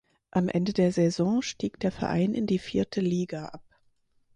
Am Ende der Saison stieg der Verein in die vierte Liga ab.